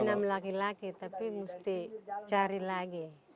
tanam laki laki tapi mesti cari lagi